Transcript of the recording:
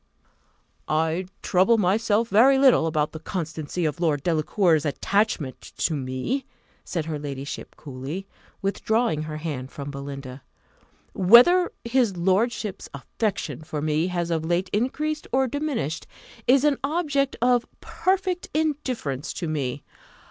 "I trouble myself very little about the constancy of Lord Delacour's attachment to me," said her ladyship coolly, withdrawing her hand from Belinda; "whether his lordship's affection for me has of late increased or diminished, is an object of perfect indifference to me.